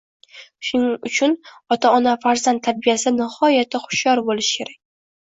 Shuning uchun ota-ona farzand tarbiyasida nihoyatda hushyor bo‘lishi kerak